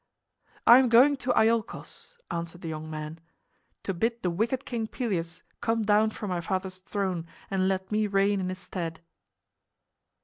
"I am going to Iolchos," answered the young man, "to bid the wicked King Pelias come down from my father's throne and let me reign in his stead."